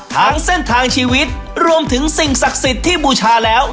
เส้นทางชีวิตรวมถึงสิ่งศักดิ์สิทธิ์ที่บูชาแล้ว